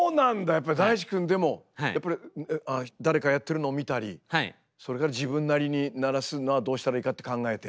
やっぱりＤａｉｃｈｉくんでもやっぱり誰かやってるのを見たりそれから自分なりに鳴らすのはどうしたらいいかって考えて？